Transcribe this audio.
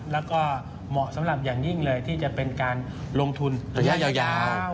แล้วก็เหมาะสำหรับอย่างยิ่งเลยที่จะเป็นการลงทุนระยะยาว